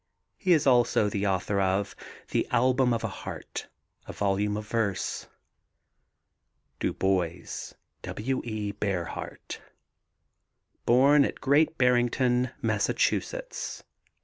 He is also the author of The Album of a Heart, a volume of verse. DU BOIS, W. E. BURGHARDT. Born at Great Barrington, Mass., 1868.